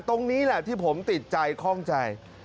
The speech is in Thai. ตรงนี้แหละที่ผมติดใจคล่องใจ